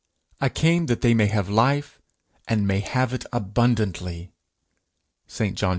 'I came that they may have life, and may have it abundantly.' St. John x.